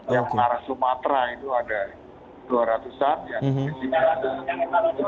yang ke arah sumatera itu ada dua orang